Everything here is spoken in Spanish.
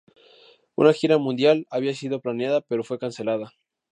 Una gira mundial había sido planeada, pero fue cancelada.